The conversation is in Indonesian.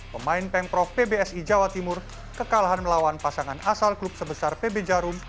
pemain pengprof pbsi jawa timur kekalahan melawan pasangan asal klub sebesar pb jarum